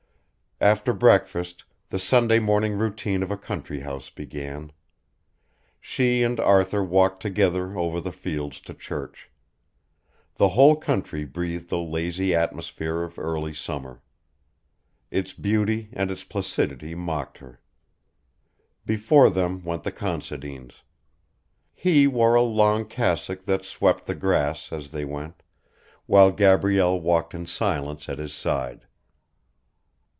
After breakfast the Sunday morning routine of a country house began. She and Arthur walked together over the fields to church. The whole country breathed a lazy atmosphere of early summer. Its beauty and its placidity mocked her. Before them went the Considines. He wore a long cassock that swept the grass, as they went, while Gabrielle walked in silence at his side.